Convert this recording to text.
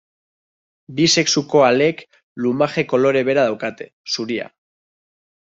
Bi sexuko aleek lumaje kolore bera daukate, zuria.